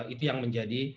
itu yang menjadi